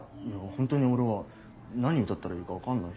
ホントに俺は何歌ったらいいか分かんないし。